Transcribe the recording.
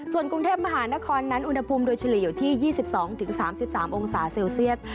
ส่วนกรุงเทพมหานครนั้นอุณหภูมิโดยเฉลี่ยอยู่ที่ยี่สิบสองถึงสามสิบสามองศาเซลเซียส